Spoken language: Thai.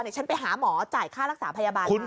ฉันไปหาหมอจ่ายค่ารักษาพยาบาลมา